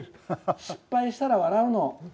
失敗したら笑うの。